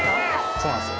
そうなんですよ